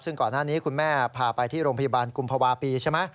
ซึ่งก่อนหน้านี้คุณแม่พาไปที่โรงพยาบาลกุมภาวะปีใช่ไหม